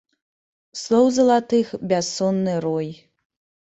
Слоў залатых бяссонны рой.